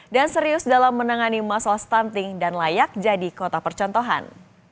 dan serius dalam menangani masalah stunting dan layak jadi kota percontohan